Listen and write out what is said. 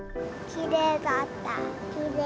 きれいだった。